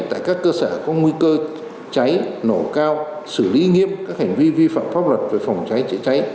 tại các cơ sở có nguy cơ cháy nổ cao xử lý nghiêm các hành vi vi phạm pháp luật về phòng cháy chữa cháy